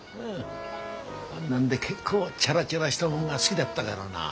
あんなんで結構チャラチャラしたもんが好ぎだったがらな。